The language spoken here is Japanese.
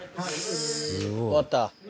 終わった。